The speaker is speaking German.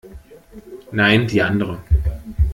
Nein, die andere.